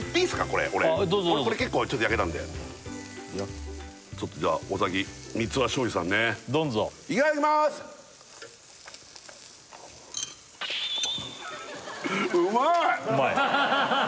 これどうぞどうぞ結構焼けたんでちょっとじゃあお先ミツワ醤油さんねどんぞいただきますうまい？